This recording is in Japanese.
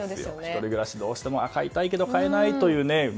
１人暮らし、どうしても飼いたいけど飼えないというね。